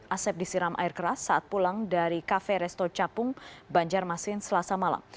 asep disiram air keras saat pulang dari kafe resto capung banjarmasin selasa malam